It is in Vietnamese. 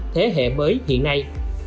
thế hệ mới hiện nay